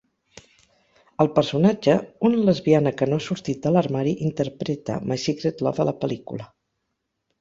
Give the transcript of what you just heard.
El personatge, una lesbiana que no ha sortit de l'armari, interpreta "My Secret Love" a la pel·lícula.